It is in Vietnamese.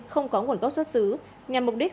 không có nguồn gốc xuất xứ nhằm mục đích